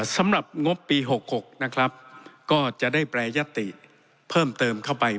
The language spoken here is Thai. สำหรับงบปี๖๖นะครับก็จะได้แปรยติเพิ่มเติมเข้าไป